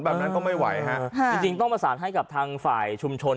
แบบนั้นก็ไม่ไหวฮะจริงต้องประสานให้กับทางฝ่ายชุมชน